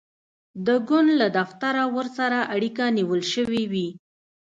د ګوند له دفتره ورسره اړیکه نیول شوې وي.